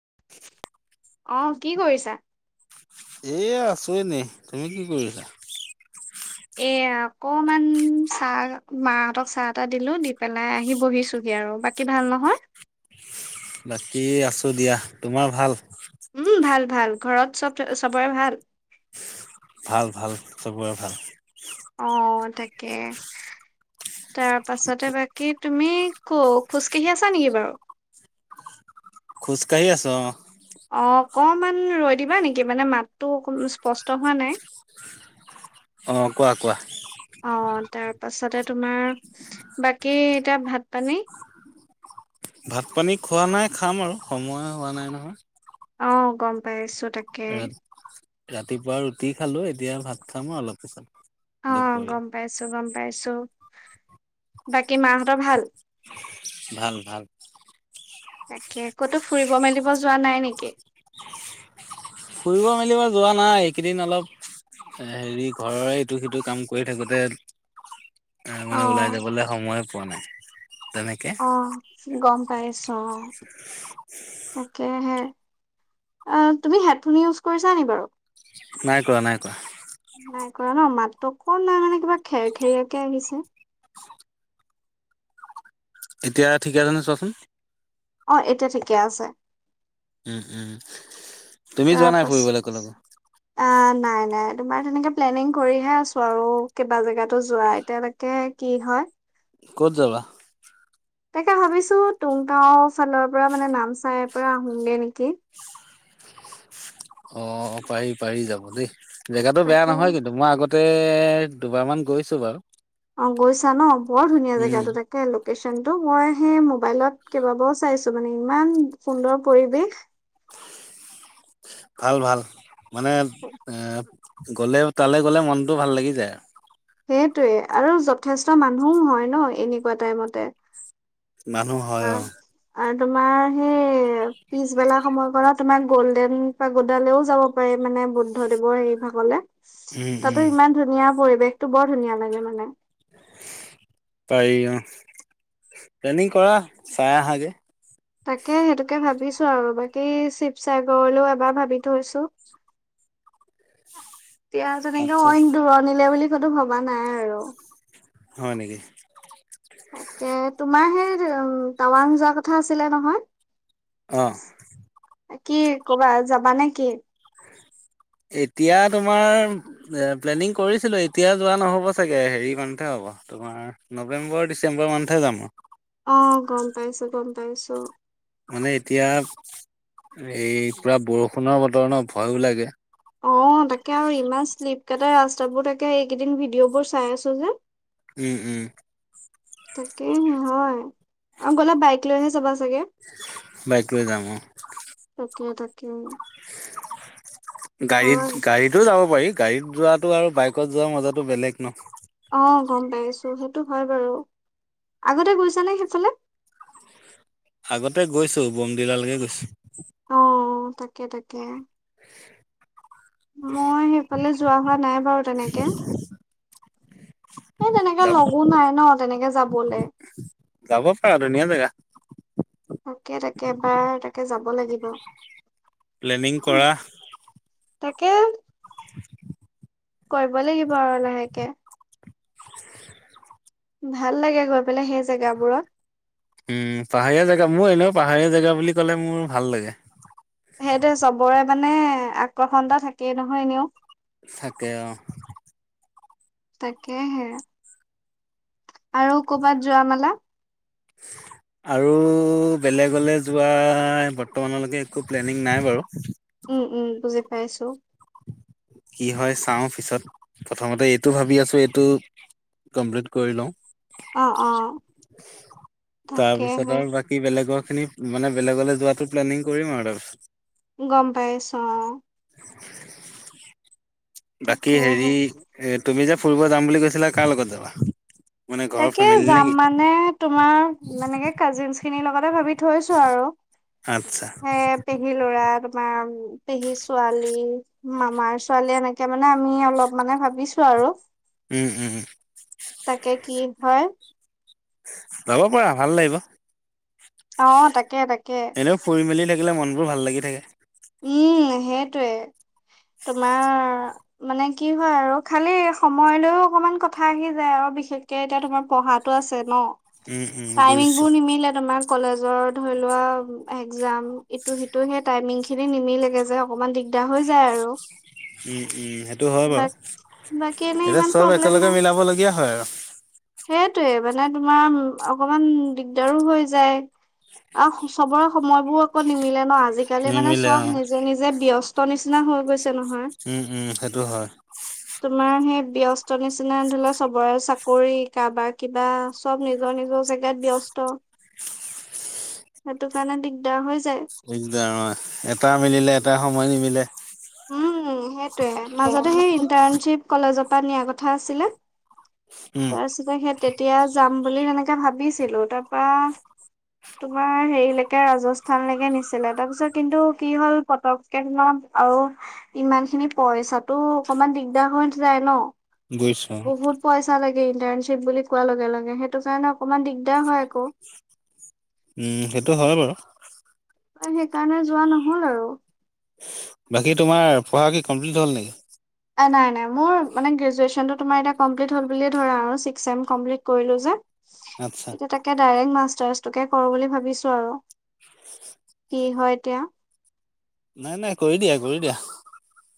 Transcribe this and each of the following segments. [inaudible] অঁ, কি কৰিছা? এই আছো এনে। তুমি কি কৰি আছা? এয়া অকমান চাহ মাহঁতক চাহ-টাহ দিলোঁ দি পেলাই আহি বহিছোঁগে আৰু। বাকী ভাল নহয়? বাকী, আছো দিয়া। তোমাৰ ভাল? উম ভাল, ঘৰত চব ত' চবৰে ভাল? ভাল-ভাল চবৰে ভাল। অ তাকে তাৰ পাছতে বাকী তুমি কো খোজকাঢ়ি আছা নেকি বাৰু? খোজকাঢ়ি আছো অ। অকমান ৰৈ দিবা নিকি? মানে মাতটো অকন স্পষ্ট হোৱা নাই। অঁ কোৱা-কোৱা। অ তাৰ পাছতে তোমাৰ বাকী এতিয়া ভাত-পানী? ভাত-পানী খোৱা নাই খাম আৰু সময় হোৱা নাই নহয়। অ গম পাইছোত এত ৰাতিপুৱা ৰুটি খালো এতিয়া ভাত খাম আৰু অলপ পিছত। অ দুপৰীয়া গম পাইছো গম পাইছো, বাকী মাহঁতৰ ভাল? ভাল-ভাল। তাকে ক'তো ফুৰিব মেলিব যোৱা নাই নেকি? ফুৰিব মেলিব যোৱা নাই এইকেইদিন অলপ হেৰি ঘৰৰে ইটো- সিটো কাম কৰি থাকোতে এ মানে ওলাই অ', যাবলৈ সময়ে পোৱা নাই। [inaudible] অ গম পাইছ অ তাকেহে অ তুমি হেডফোন ইউজ কৰিছা নি বাৰু নাই কৰা নাই কৰা নাই কৰা ন মাতটো অকনমান মানে কিবা খেৰ খেৰিয়াকে আহিছে এতিয়া ঠিকে আছেনে চোৱাচোন অ এতিয়া ঠিকে আছে উম উম তুমি যোৱা নাই তাৰপাছ ফুৰিবলৈ কলৈকো অ', নাই নাই তোমাৰ তেনেকে প্লেনিং কৰিহে আছো আৰু কেইবা জেগাতো যোৱা এতিয়ালৈকে কি হয় ক'ত যাবা তাকে ভাবিছো তুং তাও ফালৰ পৰা মানে নামচাইৰ পৰা আহোগে নেকি অ পাৰি পাৰি যাব দেই জেগাটো বেয়া তাকে নহয় কিন্তু মই আগত তে দুবাৰ মান গৈছো বাৰু অ গৈছা ন বৰ ধুনীয়া উম, জেগাটো তাকে লোক লোকেশ্যন টো মই সে মবাইলত কেইবাবাৰো চাইছো মানে ইমান সুন্দৰ পৰিৱেশ ভাল ভাল মানেপ এ গ'লে তালৈ গ'লে মনটো ভাল লাগি যায় সেইটোয়ে আৰু যথেষ্ট মানুহও হয় ন এনেকুৱা টাইমতে মানুহ হয় অ আৰু তোমাৰ সেই পিছবেলা সময় কৰা তোমাৰ গল্ডেন পাগোডালৈও যাব পাৰে মানে বুদ্ধ দেৱৰ এই ভাগলে উম উম তাতো ইমান ধুনীয়া পৰি বেশটো বৰ ধুনীয়া লাগে মানে পাৰি অ', প্লেনিং কৰা চাই আহাগে তাকে সেইটোকে ভাবিছো আৰু বাকী শিৱসাগৰলৈও এবাৰ ভাবি থৈছো। এতিয়া তেনেকে আচ্ছা অইন দূৰণিলে বুলি ভবা নাই আৰু হয় নেকি? তাকে তোমাৰ হে হেল্লো' টাৱাং যোৱা কথা আছিলে নহয় অ', কি ক'বা, যাবা নে কি? এতিয়া তোমাৰ এ প্লেনিং কৰিছিলো এতিয়া যোৱা নহ'ব চাগে হেৰি মানতহে হ'ব, তোমাৰ নৱেম্বৰ ডিচেম্বৰ মানতহে যাম আ অ', গম পাইছো, গম পাইছো। মানে এতিয়া এই পুৰা বৰষুণৰ বতৰ ন, ভয়ো লাগে অ', তাকে আৰু ইমান শ্লিপ কাটে ৰাষ্ট যাব তাকে এইকেইদিন ভিডিঅ' বোৰ চাই আছো যে উম', উম', তাকে হে হয় আৰু গলে বাইক লৈহে যাবা চাগে? বাইক লৈ যাম, অঁ', উম গাড়ীত-গাড়ীতো যাব পাৰি গাড়ীত যোৱাটো আৰু বাইকত যোৱা মজাতো বেলেগ ন? অঁ', গম পাইছো, সেইটো হয় বাৰু, আগতে গৈছানে সেইফালে? আগতে গৈছো, বমডিলালেকৈ গৈছো। অঁ', তাকে-তাকে মই সেইফালে যো যোৱা হোৱা নাই বাৰু তেনেকে এই তেনেকে যাব লগো নাই, তেনেকে যাবলে যাব পাৰা ধুনীয়া জেগা তাকে-তাকে, এবাৰ তাকে যাব লাগিব। প্লেনিং উম, কৰা তাকে [inaudible] কৰিব লাগিব আৰু লাহেকে ভাল লাগে গৈ পেলাই সেই জেগাবোৰত উম', পাহাৰীয়া জেগা, মোৰ এনেওঁ পাহাৰীয়া জেগা বুলি ক'লে মোৰ ভাল লাগে। সেইটোৱে চবৰে মানে আকৰ্ষণ এটা থাকেই নহয় এনেও। থাকে অঁ', তাকে হে আৰু কৰ'বাত যোৱা মেলা? আৰু বেলেগলৈ যোৱা বৰ্তমানলৈকে একো প্লেনিং নাই বাৰু উম উম বুজি পাইছোঁ কি হয় চাওঁ পিছত প্ৰথমতে এইটো ভাবি আছো এইটো কমপ্লিট কৰি লওঁ অ অ তাকেহে তাৰপিছত আৰু বাকী বেলেগৰ খিনি মানে বেলেগলৈ যোৱাতো প্লেনিং কৰিম আৰু তাৰ পিছত গম পাইছো অঁ বাকী হেৰি তাকেহে এ তুমি যে ফুৰিব যাম বুলি কৈছিলা কাৰ লগত যাবা মানে ঘৰৰ তাকে ফেমিলি যাম নেকি? মানে তোমাৰ মানে তোমাৰ কাজিনচ খিনিৰ লগত ভাবি থৈছো আৰু আচ্ছা সেই পেহী লৰা আমাৰ পেহী ছোৱালী মামাৰ ছোৱালী এনেকৈ মানে আমি অলপ মানে ভাবিছো আৰু উম উম উম তাকে কি হয় যাব পাৰা ভাল লাগিব অ তাকে তাকে এনেও ফুৰি মেলি থাকিলে মন বোৰ ভাল লাগি তে উম সেইটোৱে তোমাৰ মানে কি হয় আৰু খালি সময় লৈও অকনমান কথা আহি যায় আৰু বিশেষকে এতিয়া তোমাৰ পঢ়াটো আছে ন উম উম টাইমিং বুজিছো বোৰ নিমিলে তোমাক কলেজৰ ধৰি লোৱা একজাম ইটো সিটো হে টাইমিং খিনি নিমিলেগে যে অকমান দিগদাৰ হৈ যায় আৰু উম উম সেইটো হয় বাৰু বাক বাকী এনেই এতিয়া ইমান চব প্ৰব্লেম একেলগে নাই মিলাব লগীয়া হয় আৰু সেইটোয়ে মানে তোমাৰ অকমান দিগদাৰো হৈ যায় আৰু চবৰে সময়বোৰ আকৌ নিমিলে ন আজিকালি মানে নিমিলে অ চব নিজে নিজে ব্যস্ত স্ত নিচিনা হৈ গৈছে নহয় উম উম সেইটো হয় তোমাৰ সেই ব্যস্ত নিচিনা ধৰি লোৱা চবৰে চাকৰি কাৰবাৰ কিবা চব নিজৰ নিজৰ জেগাত ব্যস্ত সেইটো কাৰণে দিগদাৰ হৈ যায় এই আৰু এটা মিলিলে এটা সময় নিমিলে উম সেইটোয়ে মাজতে সেই ইন্টাৰ্ণশ্বিপ কলেজপা পা নিয়া কথা আছিলে উম তাৰ পিছতে সেই তেতিয়া যাম বুলি তেনেকে ভাবিছিলো তাৰপা তোমাৰ হেৰিলৈকে ৰাজস্থানলৈকে নিছিলে তাৰ পিছত কিন্তু কি হ'ল পতককে তোমাৰ আৰু ইমান খিনি পইচাটো অকমান দিগদাৰ হৈ যায় ন বুজিছো অ। বহুত পইচা লাগে এই ইণ্টাৰ্ণশিপ বুলি কোৱা লগে লগে সেইটো কাৰণে অকমান দিগদ উম সেইটো হয় বাৰু সেইকাৰণে যোৱা নহল আৰু বাকী তোমাৰ পঢ়া কি কমপ্লিট হ'ল নেকি নাই নাই মোৰ মানে গ্ৰেজুৱেশচনটো তোমাৰ এতিয়া কমপ্লিট হল বুলিয়ে ধৰা আৰু ছিক্স ছেম কমপ্লিট কৰিলো যে আচ্ছা এতিয়া তাকে ডাইৰেক্ট মাছ ষ্টাৰ্ছ টোকে কৰো বুলি ভাবিছো আৰু কি হয় এতিয়া নাই নাই কৰি দিয়া কৰি দিয়া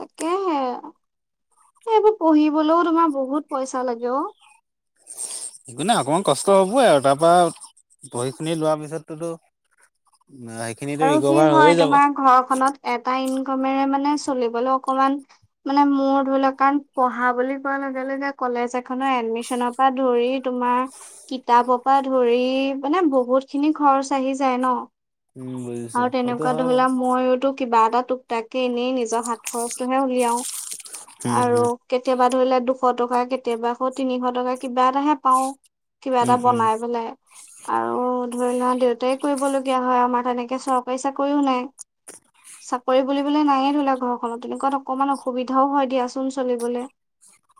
তাকেহে এই এইবোৰ পঢ়িবলৈও তোমাৰ বহুত পইচা লাগে অ একো নাই অকমান কষ্ট হবই আৰু তাৰ পৰা পঢ়ি শুিনি লোৱাৰ পিছতোতো সেইখিনিতো আৰু কি ৰিকভাৰ হৈয়ে হয় যাব। তোমাৰ ঘৰখনত এটা ইনকামেৰে মানে চলিবলৈ অকমান মানে মোৰ ধৰি লওক কাৰণ পঢ়া বুলি কোৱাৰ লগে লগে কলেজ এখনৰ এডমিশ্যনৰপা ধৰি তোমাৰ কিতাপপা ধৰি মানে বহুত খিনি খৰচ আহি যায় ন উম বুজিছো আৰু সেইটো তেনেকোৱা হয় ধৰি বাৰু লোৱা মইওতো কিবা এটা টোক টাককে এনেই নিজৰ হাত খৰচটোহে উলিয়াও উম আৰু হম কেতিয়াবা ধৰি লা দুশ টকা কেতিয়াবা খৌ তিনিশ টকা কিবা এটাহে পাওঁ। কিবা উম এটা উম বনাই পেলাই আৰু ধৰি লোৱা দেউতাই কৰিবলগীয়া হয় আমাৰ তেনেকে এ চৰকাৰী চাকৰিও নাই, চাকৰি বুলিবলৈ নায়ে ধৰিলা ঘৰখনত তেনেকুৱাত অকমান অসুবিধাও হয় দিয়াচোন চলিবলৈ।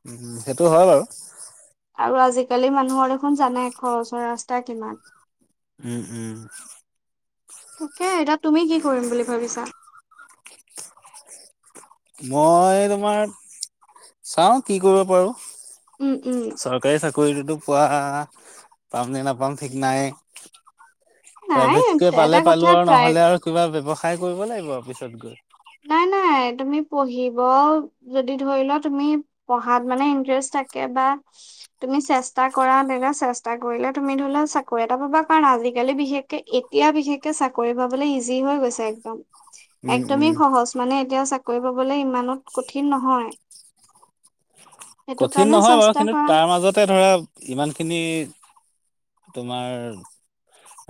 উম, সেইটো হয় বাৰু। আৰু আজিকালি মানুহৰ দেখোন জানাই খৰচৰ ৰাস্তা কিমান। উম, উম। [inaudible] এ এতিয়া তুমি কি কৰিম বুলি ভাবিছা? মই তোমাৰ চাওঁ কি কৰিব পাৰোঁ। উম উম চৰকাৰী চাকৰিটোতো পোৱা হা পাম নে নাপাম ঠিক নাই। নাই প্ৰাইভেটকে এটা পালে কথা পালোঁ আৰু ট্ৰাই নহ'লে আৰু কিবা ব্যৱসায় কৰিব লাগিব। বিছতগড় নাই নাই তুমি পঢ়িব যদি ধৰি লোৱা তুমি পঢ়াত মানে ইন্টাৰেষ্ট থাকে বা তুমি চেষ্টা কৰা চেষ্টা কৰিলে তুমি ধৰি লা চাকৰি এটা পাবা কাৰণ আজিকালি বিশেষকে এতিয়া বিশেষকে চাকৰি পাবলৈ ইজি হৈ গৈছে একদম। উম, একদমেই উম। সহজ মানে এতিয়াও চাকৰি পাবলে ইমানত কঠিন নহয়। সেইটো কঠিন কাৰণে নহয় বাৰু চেষ্টা কিন্তু কৰা। তাৰ মাজতে ধৰা ইমান খিনি তোমাৰ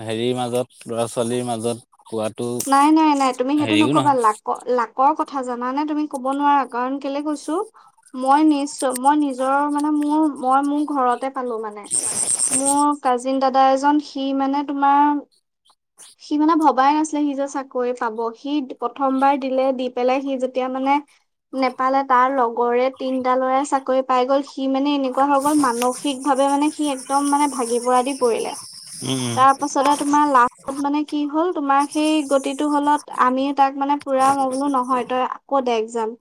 হেৰিৰ মাজত ল'ৰা-ছোৱালীৰ মাজত পোৱাতো নাই, নাই, নাই, তুমি সেইটো হেৰিও নকবা নহয় লাকৰ লাকৰ কথা কথা জানানে তুমি ক'ব নোৱাৰা কাৰণ কেলে কৈছো মই নিশ্চ মই নিজৰ মানে মোৰ মই মোৰ ঘৰতে পালো মানে মোৰ কাজিন দাদা এজন সি মানে তোমাৰ সি মানে ভবাই নাছিল সি যে চাকৰি পাব সি প্ৰথমবাৰ দিলে দি পেলাই সি যেতিয়া মানে নেপালে তাৰ লগৰে তিনটা ল'ৰাই চাকৰি পাই গ'ল সি মানে এনেকুৱা হৈ গ'ল মানসিক ভাৱে মানে সি একদম মানে ভাগি পৰা দি পৰিলে। উম উম তাৰ পাছতে তোমাৰ লাষ্টত মানে কি হ'ল তামা সেই গতিটো হ'লত আমি তাক মানে পুৰা মই বোলো নহয় তই আকৌ দে এক্জাম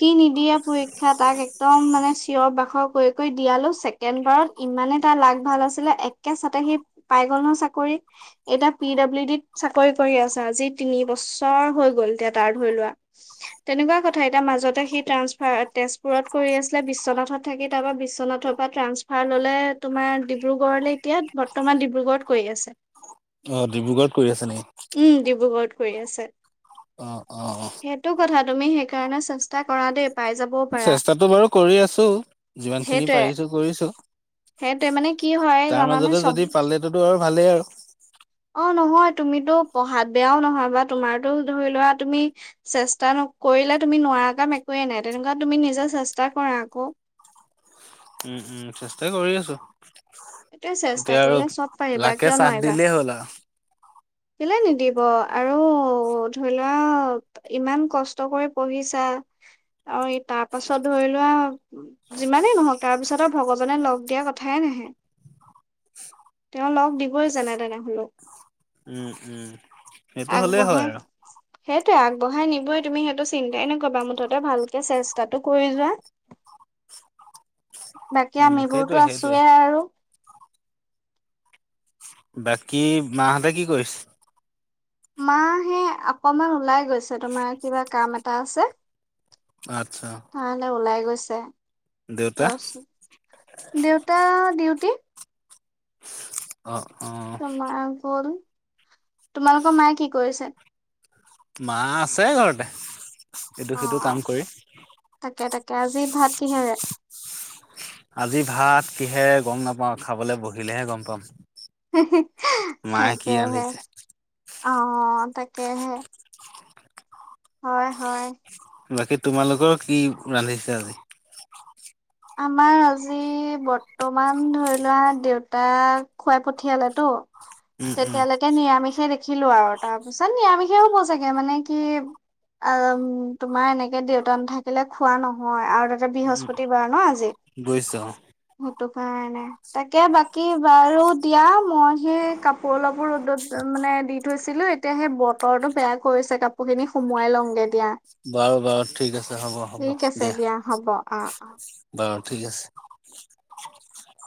সি নিদ দিয়া পৰীক্ষা তাক একদম মানে চিঞৰ বাখৰ কৰি কৰি দিয়ালো ছেকেণ্ড বাৰত ইমানে তাৰ লাভ ভাল আছিলে একে চাতে সি পাই গ'ল ন' চাকৰি এতিয়া পি ডাব্লিউ ডিত চাকৰি কৰি আছা আজি তিন বছৰ হৈ গ'ল এতিয়া তাৰ ধৰি লোৱা তেনেকুৱা কথা এতিয়া মাজতে সি ট্ৰান্সফাৰ তেজপুৰত কৰি আছিলে বিশ্বনাথত থাকি তাৰ পৰা বিশ্বনাথৰ পৰা ট্ৰান্সফাৰ ল'লে তোমাৰ ডিব্ৰুগড়লৈ এতিয়া বৰ্তমান ডিব্ৰুগড়ত কৰি আছে। অ', ডিব্ৰুগড়ত কৰি আছে নেকি? উম, ডিব্ৰুগড়ত কৰি আছে, অ অ অ সেইটো কথা তুমি সেইকাৰণে চেষ্টা কৰা দে চেষ্টাতো বাৰু কৰি আছো যিমান খিনি সেইটোৱে পাৰিছোঁ কৰিছোঁ। সেইটোৱে মানে কি হয় জানানে চব যদি পালেটোতো আৰু ভালেই আৰু অ', নহয় তুমিতো পঢ়াত বেয়াও নহয় বা তোমাৰতো ধৰি লোৱা তুমি চেষ্টা নকৰিলে তুমি নোৱাৰা কাম একোৱে নাই তেনেকুৱা তুমি নিজে চেষ্টা কৰা আকৌ। উম, উম, চেষ্টাই কৰি আছো। এইটোৱে চেষ্টা এতিয়া আৰু কৰিলে চব পাৰিবা লাকে কিয় চাট নোৱাৰিবা। দিলেই হ'ল আৰু। কেলে নিদিব আৰু ধৰি লোৱা ইমান কষ্ট কৰি পঢ়িছা অ ই তাৰ পাছত ধৰি লোৱা যিমানেই নহওক তাৰপিছত ভগৱানে লগ দিয়া কথাই নাহে তেওঁ লগ দিবই জান তেনে হলেও উম উম সেইটো হ'লেই হয় আগবঢ়াই আৰু সেইটোৱে আগবঢ়াই নিবই তুমি সেইটো চিন্তাই নকবা মুঠতে ভালকে চেষ্টাটো কৰি যোৱা বাকী উম সেইটোৱে আমিবোৰতো সেইটোৱে আছোোৱে আৰু বাকী মাহঁতে কি কৰিছে মখ হে অকমান ওলাই গৈছে তোমাৰ কিবা কাম এটা আছে আচ্ছা নাহলে ওলাই গৈ দেউতা আছে চ দেউতা ডিউটি অ অ তম হল তোমালোকৰ মায়ে কি কৰিছে মা আছে ঘৰতে এইটো অ সিটো কাম কৰি তাকে তাকে আজি ভাত কিহেৰে আজি ভাত কিহে গম নাপাওঁ খাবলৈ বহিলেহে গম পাম হু হু [unintelligible] মায়ে কি ৰান্ধিছে? অ'তাকেহে। হয়, হয়। বাকী তোমালোকৰ কি ৰান্ধিছে আজি? আমাৰ আজি বৰ্তমান ধৰি লোৱা দেউতাক খুৱাই পঠিয়ালেতো উম, উম, তেতিয়ালেকে নিয়ামিচেই থাক খিলো আৰু তাৰ পিছত নিয়ামিষে হ'ব চাগে মানে কি, আৰুম তোমাৰ এনেকে দেউতা নেথাকিলে খোৱা নহয় আৰু তাতে বৃহস্পতি বাৰ ন আজি। গৈছে অ। টো কাৰণে তাকে বাকী বাৰু দিয়া মই সেই কাপোৰ অলপো ৰ'দত মানে দি থৈছিলো এতিয়া সেই বতৰটো বেয়া কৰিছে কাপোৰ খিনি সুমোৱাই লওংগে দিয়া। বাৰু, বাৰু ঠিক আছে হ'ব, হ'ব ঠিক আছে দিয়া হ'ব অ অ অ, ঠিক আছে।